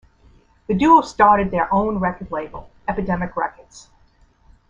The duo started their own record label, Epidemic Records.